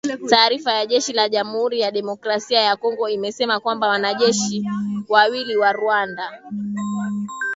Taarifa ya jeshi la Jamuhuri ya Demokrasia ya Kongo imesema kwamba wanajeshi wawili wa Rwanda